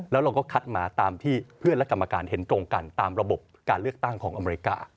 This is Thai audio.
แล้วเราก็คัดมาตามที่เพื่อนและกรรมการเห็นตรงกันตามระบบการเลือกตั้งของอเมริกา